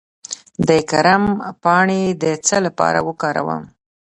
د کرم پاڼې د څه لپاره وکاروم؟